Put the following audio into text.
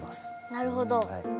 なるほど。